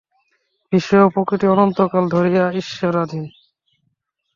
বিশ্ব ও প্রকৃতি অনন্তকাল ধরিয়া ঈশ্বরাধীন।